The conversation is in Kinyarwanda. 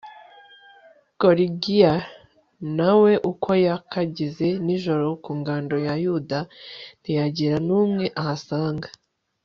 gorigiya na we uko yakageze nijoro ku ngando ya yuda, ntiyagira n'umwe ahasanga